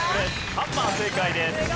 ハンマー正解です。